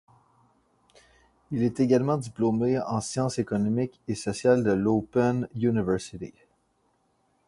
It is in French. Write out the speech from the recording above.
Il est également diplômé en sciences économiques et sociales de l'Open University.